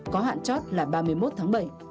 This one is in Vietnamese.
có hạn chót là ba mươi một tháng bảy